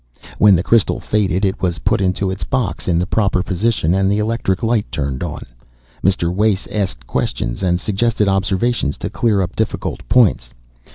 When the crystal faded, it was put into its box in the proper position and the electric light turned on. Mr. Wace asked questions, and suggested observations to clear up difficult points.